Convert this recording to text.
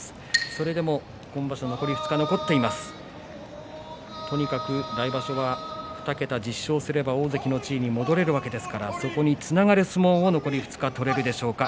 それでも今場所、残り２日とにかく来場所は２桁１０勝すれば大関の地位に戻れるわけですからそれにつながる相撲が残り２日取れるでしょうか